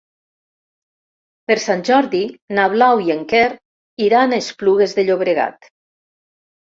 Per Sant Jordi na Blau i en Quer iran a Esplugues de Llobregat.